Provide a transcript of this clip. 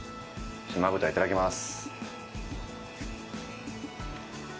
島豚、いただきます。